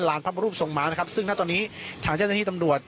ลานภาพรูปทรงม้านะครับซึ่งณตอนนี้ทางเจ้าหน้าที่ตำรวจ